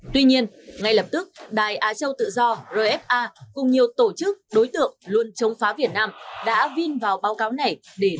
tuy nhiên ngay lập tức đài á châu tự do rfa cùng nhiều tổ chức đối tượng luôn chống phá việt nam đã vin vào báo cáo này để